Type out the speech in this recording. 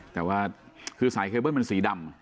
แต่ว่าคือสายเคเบิ้ลมันสีดำ